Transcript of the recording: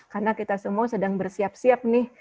karena kita semua sedang bersiap siap nih